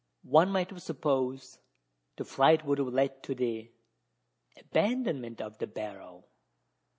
One might have supposed that the fright would have led to the abandonment of the barrow.